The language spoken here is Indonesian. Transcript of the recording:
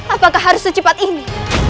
apakah harus secepat ini